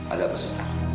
ada apa susah